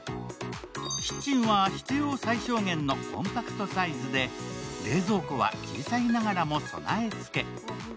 キッチンは必要最小限のコンパクトサイズで冷蔵庫は小さいながらも備え付け。